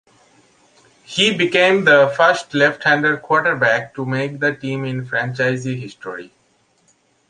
He became the first left hander quarterback to make the team in franchise history.